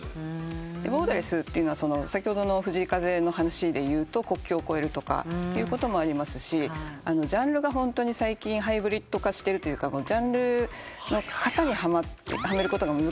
ボーダーレスっていうのは先ほどの藤井風の話でいうと国境を超えるとかということもありますしジャンルがホントに最近ハイブリッド化してるというかジャンルの型にはめることが難しいアーティストや楽曲が増えてきていて。